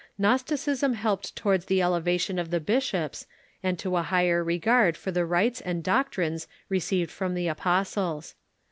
Gnosticism helped towards the elevation of the bishops, and to a higher regard for the rites and doctrines received from the apostles.